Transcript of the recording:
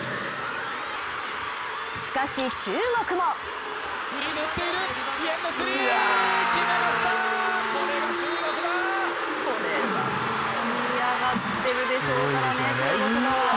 しかし中国もこれは盛り上がってるでしょうからね、中国は。